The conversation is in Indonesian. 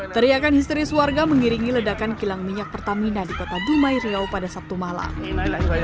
teriakan histeris warga mengiringi ledakan kilang minyak pertamina di kota dumai riau pada sabtu malam